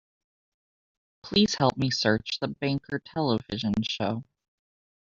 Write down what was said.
Please help me search The Banker television show.